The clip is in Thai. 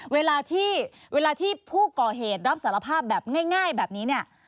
เวลาที่ผู้ก่อเหตุรับสารภาพแบบง่ายแบบนี้